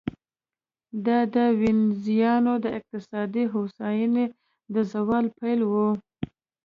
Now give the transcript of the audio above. دا د وینزیانو د اقتصادي هوساینې د زوال پیل و